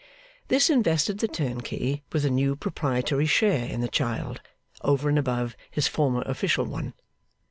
This invested the turnkey with a new proprietary share in the child, over and above his former official one.